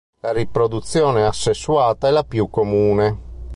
La riproduzione asessuata è la più comune.